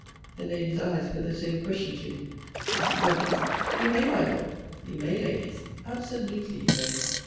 The Ladies eyes put the same question to me. Lovel. You may, my Lord You may, Ladies absolutely you may.